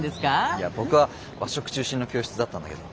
いや僕は和食中心の教室だったんだけど。